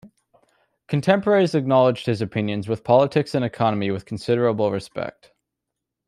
Contemporaries acknowledged his opinions on politics and economy with considerable respect.